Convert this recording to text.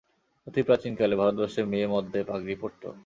অতি প্রাচীনকালে ভারতবর্ষে মেয়ে-মদ্দে পাগড়ি পড়ত।